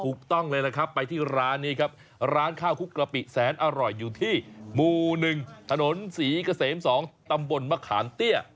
ถูกต้องเลยนะครับไปที่ร้านนี้ครับร้านข้าวคลุกกะปิแสนอร่อยอยู่ที่